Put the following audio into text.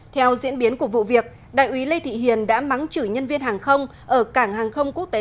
theo diễn biến của vụ việc đại úy lê thị hiền đã mắng chửi nhân viên hàng không ở cảng hàng không quốc tế